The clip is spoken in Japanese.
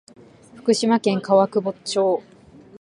福島県川俣町